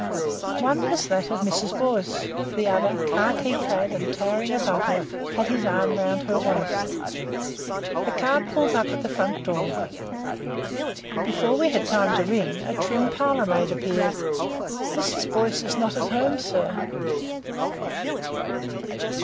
One was that of Mrs. Boyce; the other, khaki clad and towering above her, had his arm round her waist. The car pulled up at the front door. Before we had time to ring, a trim parlour maid appeared. "Mrs. Boyce is not at home, sir."